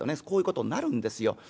こういうことになるんですよ。